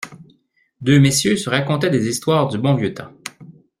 Deux messieurs se racontaient des histoires du bon vieux temps.